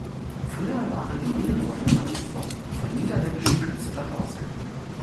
Früher waren die Innenräume kunstvoll von niederländischen Künstlern ausgemalt.